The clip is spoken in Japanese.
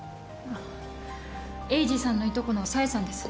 栄治さんのいとこの紗英さんです。